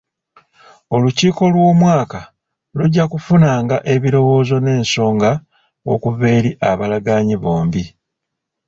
Olukiiko lw'omwaka lujja kufunanga ebirowoozo n'ensonga okuva eri abalagaanyi bombi.